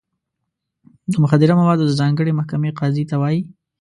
د مخدره موادو د ځانګړې محکمې قاضي ته وایي.